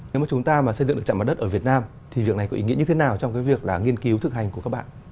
nếu mà chúng ta mà xây dựng được chạm mặt đất ở việt nam thì việc này có ý nghĩa như thế nào trong cái việc là nghiên cứu thực hành của các bạn